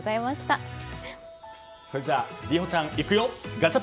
それじゃ、莉歩ちゃんいくよ！